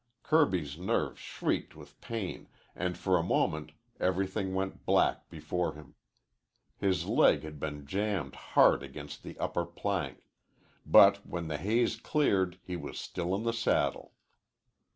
Kirby's nerves shrieked with pain, and for a moment everything went black before him. His leg had been jammed hard against the upper plank. But when the haze cleared he was still in the saddle.